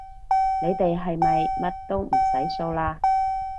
你哋係咪乜都唔使掃嘞